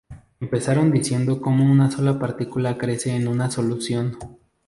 Empezaron diciendo cómo una sola partícula crece en una solución.